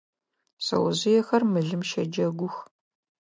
Шъэожъыехэр мылым щэджэгух.